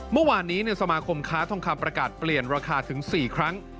เมื่อวานนี้สมาคมค้าทองคำประกาศเปลี่ยนราคาถึง๔ครั้ง